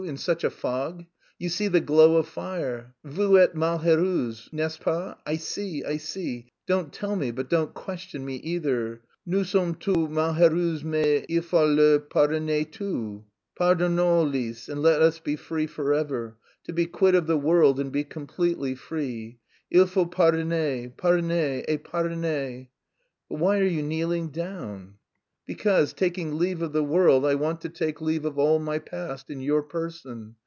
in such a fog? You see the glow of fire. Vous êtes malheureuse, n'est ce pas? I see, I see. Don't tell me, but don't question me either. Nous sommes tous malheureux mais il faut les pardonner tous. Pardonnons, Lise, and let us be free forever. To be quit of the world and be completely free. Il faut pardonner, pardonner, et pardonner!" "But why are you kneeling down?" "Because, taking leave of the world, I want to take leave of all my past in your person!"